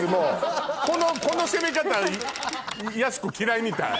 この攻め方やす子嫌いみたい。